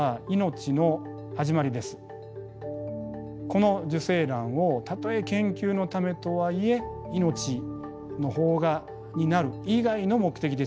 この受精卵をたとえ研究のためとはいえ命の萌芽になる以外の目的で使う。